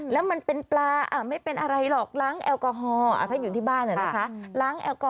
แล้วมันเป็นปลาอ่าไม่เป็นอะไรหรอกล้างแอลกอฮอล์